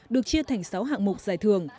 được chia thành sáu hạng mục giải thưởng